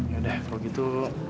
yaudah kalau gitu